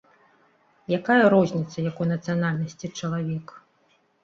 Якая розніца, якой нацыянальнасці чалавек.